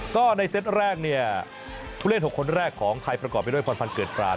ก็ในเซตแรกเนี่ยผู้เล่น๖คนแรกของไทยประกอบไปด้วยพรพันธ์เกิดปราศ